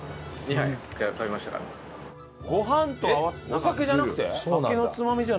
お酒じゃなくて？